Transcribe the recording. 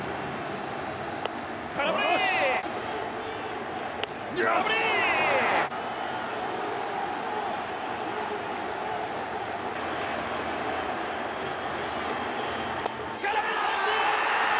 空振り三振！